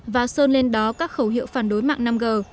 và sơn lên đó các khẩu hiệu phản đối mạng năm g